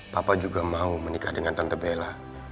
papa juga mau menikah dengan tante bella